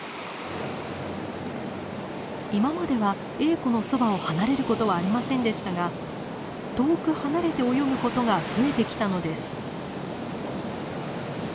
今まではエーコのそばを離れることはありませんでしたが遠く離れて泳ぐことが増えてきたのです。